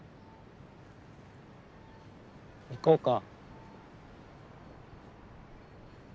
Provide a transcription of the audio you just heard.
行こうか。